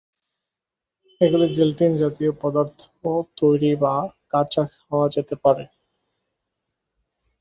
এগুলি জেলটিন-জাতীয় পদার্থ তৈরি বা কাঁচা খাওয়া যেতে পারে।